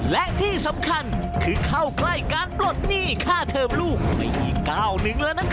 และที่สำคัญคือเข้าใกล้การปลดหนี้ค่าเทิมลูกไปอีกก้าวนึงแล้วนะครับ